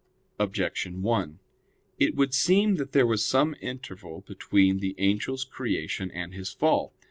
Objection 1: It would seem that there was some interval between the angel's creation and his fall.